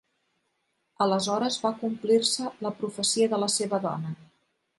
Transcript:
Aleshores va complir-se la profecia de la seva dona